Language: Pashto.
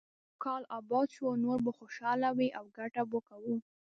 کال اباد شو، نور به خوشاله وي او ګټه به کوو.